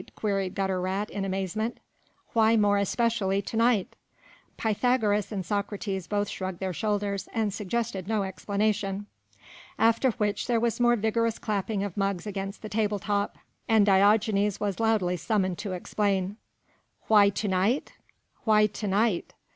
queried Gutter rat in amazement. "Why more especially to night?" Pythagoras and Socrates both shrugged their shoulders and suggested no explanation. After which there was more vigorous clapping of mugs against the table top and Diogenes was loudly summoned to explain. "Why to night? why to night?"